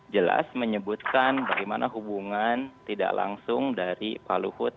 jelas menyebutkan bagaimana hubungan tidak langsung dari pak luhut